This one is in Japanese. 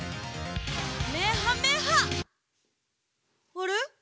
あれ？